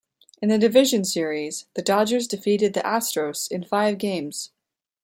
In the Division Series, the Dodgers defeated the Astros in five games.